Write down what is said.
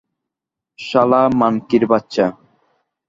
শালা মানকির বাচ্চা!